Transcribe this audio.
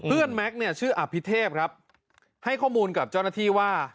เพื่อนแม็คชื่ออภิเทพครับให้ข้อมูลกับจรณาที่ว่า